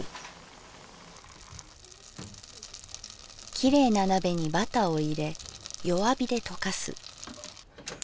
「きれいな鍋にバタをいれ弱火でとかす」。